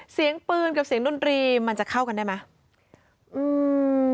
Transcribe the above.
เสียงปืนกับเสียงดนตรีมันจะเข้ากันได้ไหมอืม